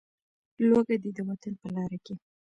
لوږه دې د وطن په لاره کې.